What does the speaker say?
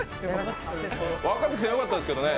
若槻さん、よかったですけどね。